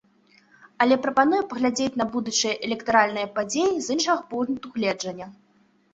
Але прапаную паглядзець на будучыя электаральныя падзеі з іншага пункту гледжання.